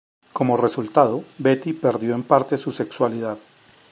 Como resultado, Betty perdió en parte su sexualidad.